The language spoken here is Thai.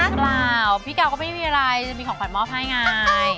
เปล่าพี่กาวก็ไม่มีอะไรจะมีของขวัญมอบให้ไง